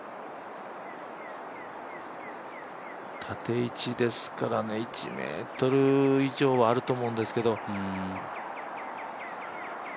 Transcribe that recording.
縦位置ですから１ｍ以上はあると思うんですけど。